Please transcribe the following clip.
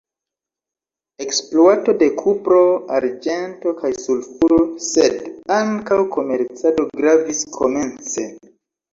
Ekspluato de kupro, arĝento kaj sulfuro sed ankaŭ komercado gravis komence.